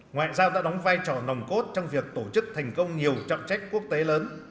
ngoại giao đã đóng vai trò nồng cốt trong việc tổ chức thành công nhiều trọng trách quốc tế lớn